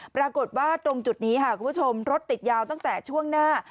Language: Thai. ปรากฏว่าตรงจุดนี้ค่ะคุณผู้ชมรถติดยาวตั้งแต่ช่วงหน้า